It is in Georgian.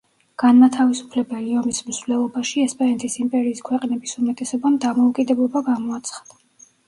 განმათავისუფლებელი ომის მსვლელობაში ესპანეთის იმპერიის ქვეყნების უმეტესობამ დამოუკიდებლობა გამოაცხადა.